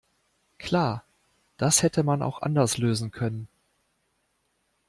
Klar, das hätte man auch anders lösen können.